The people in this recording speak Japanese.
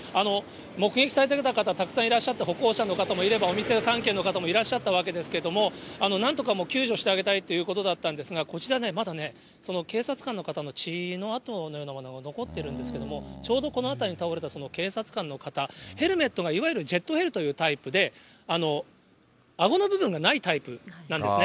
目撃されてた方、たくさんいらっしゃって、歩行者の方もいれば、お店関係の方もいらっしゃったわけですけれども、なんとか救助してあげたいということだったんですが、こちらね、まだね、その警察官の方の血の跡のようなものが残ってるんですけれども、ちょうどこの辺りに倒れた警察官の方、ヘルメットがいわゆるジェットヘルというタイプで、あごの部分がないタイプなんですね。